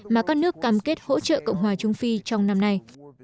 mà các nước cam kết hỗ trợ cộng hòa trung phi trong năm nay